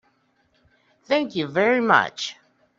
Thank you very much.